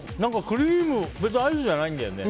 クリーム別にアイスじゃないんだよね。